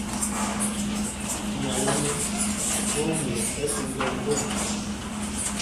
Nyayɛ yaŋ mɔ wuŋ ɓɛ to njɔɔ ŋgwom.